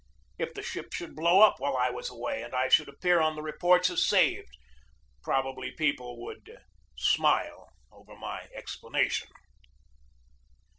If the ship should blow up while I was away and I should appear on the reports as saved, probably people would smile over my expla nation.